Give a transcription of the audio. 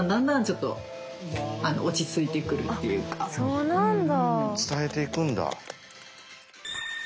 そうなんだ。